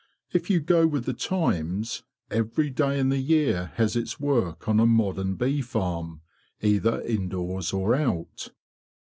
If you go with the times, every day in the year has its work on a modern bee farm, either indoors or out.